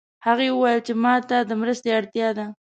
هغې وویل چې ما ته د مرستې اړتیا ده